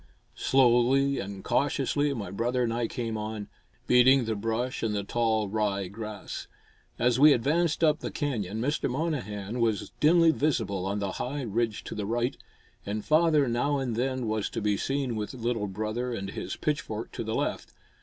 Slowly and cautiously my brother and I came on, beating the brush and the tall rye grass. As we advanced up the canyon, Mr. Monnehan was dimly visible on the high ridge to the right, and father now and then was to be seen with little brother and his pitchfork to the left.